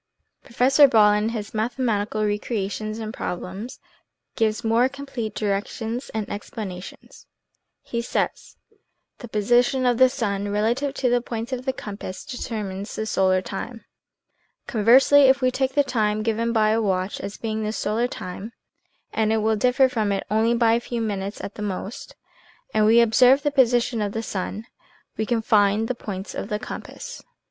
Professor Ball, in his " Mathematical Recreations and Problems," gives more complete directions and explanations. He says :" The position of the sun relative to the points of the compass determines the solar time. Conversely, if we take the time given by a watch as being the solar time (and it will differ from it only by a few minutes at the most), and we observe the position of the sun, we can find the points of the compass.